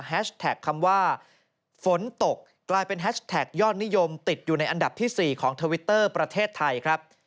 คำว่าฝนตกกลายเป็นแฮชแท็กยอดนิยมติดอยู่ในอันดับที่๔ของทวิตเตอร์ประเทศไทยครับ